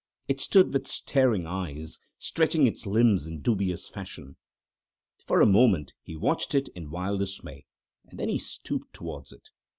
It stood with staring eyes, stretching its limbs in dubious fashion. For a moment he watched it in wild dismay, and then he stooped towards it.